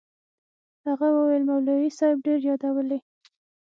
هغه وويل مولوي صاحب ډېر يادولې.